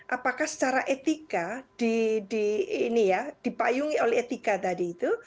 apakah secara etika dipayungi oleh etika tadi itu